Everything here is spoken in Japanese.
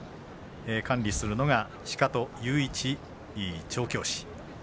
管理するのが鹿戸雄一調教師。